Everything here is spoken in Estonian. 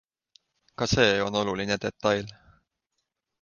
Ka see on oluline detail.